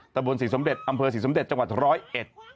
ตะบนศรีสมเด็จอำเภอศรีสมเด็จจังหวัด๑๐๑